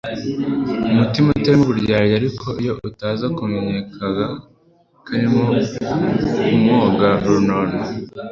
umutima utarimo uburyarya., ariko, iyo ataza kumenyakaga karimo kumwoga runono,